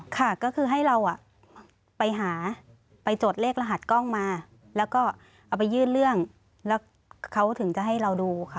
ค่ะก็คือให้เราไปหาไปจดเลขรหัสกล้องมาแล้วก็เอาไปยื่นเรื่องแล้วเขาถึงจะให้เราดูค่ะ